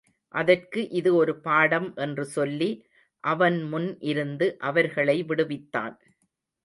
அதற்கு இது ஒரு பாடம் என்று சொல்லி அவன் முன் இருந்து அவர்களை விடுவித்தான்.